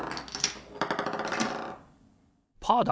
パーだ！